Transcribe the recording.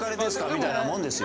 みたいなもんですよ。